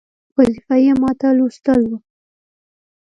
وظیفه یې ماته لوستل وه.